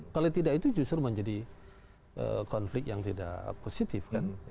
kalau tidak itu justru menjadi konflik yang tidak positif kan